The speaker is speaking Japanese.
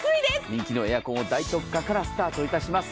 人気のエアコンを大特価からスタートします。